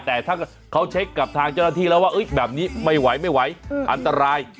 แต่ถ้าเขาเช็คกับทางเจ้าหน้าที่แล้วว่าแบบนี้ไม่ไหวไม่ไหวอันตราย